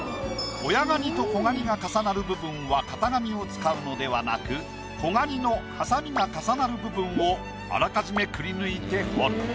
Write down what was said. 親ガニと子ガニが重なる部分は型紙を使うのではなく子ガニのハサミが重なる部分をあらかじめくりぬいて彫る。